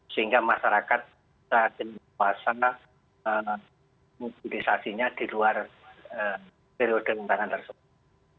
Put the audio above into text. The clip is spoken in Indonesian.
sehingga masyarakat terkena kewasana mobilisasinya di luar periode untangan tersebut